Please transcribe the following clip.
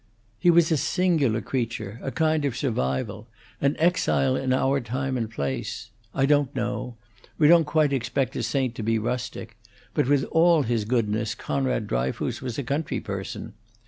"He was a singular creature; a kind of survival; an exile in our time and place. I don't know: we don't quite expect a saint to be rustic; but with all his goodness Conrad Dryfoos was a country person.